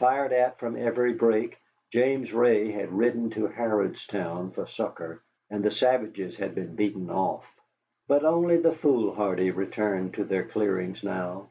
Fired at from every brake, James Ray had ridden to Harrodstown for succor, and the savages had been beaten off. But only the foolhardy returned to their clearings now.